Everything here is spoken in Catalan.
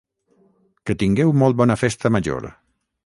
que tingueu molt bona Festa Major!